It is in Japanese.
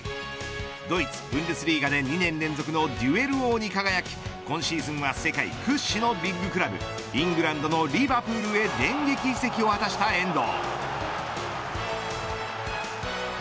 ドイツ・ブンデスリーガで２年連続のデュエル王に２度輝き今シーズンは、世界屈指のビッグクラブ、イングランドのリヴァプールへ電撃移籍を果たした遠藤。